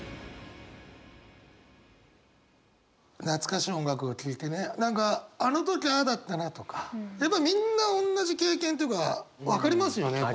懐かしい音楽を聴いてね何かあの時ああだったなとかやっぱりみんなおんなじ経験っていうか分かりますよね？